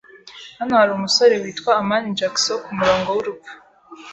Hano hari umusore witwa amani Jackson kumurongo wurupfu.